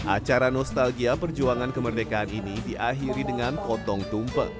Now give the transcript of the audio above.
acara nostalgia perjuangan kemerdekaan ini diakhiri dengan potong tumpeng